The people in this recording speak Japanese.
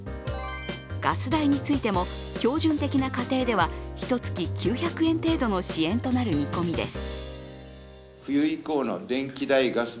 ガス代についても、標準的な家庭ではひと月９００円程度の支援となる見込みです。